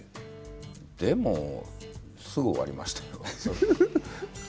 でも、すぐ終わりましたよ。